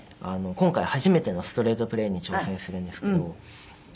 今回初めてのストレートプレーに挑戦するんですけど。